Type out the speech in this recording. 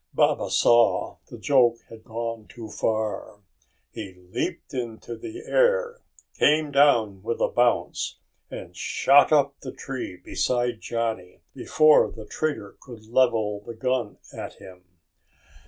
Baba saw the joke had gone too far. He leaped into the air, came down with a bounce and shot up the tree beside Johnny before the trader could level the gun at him.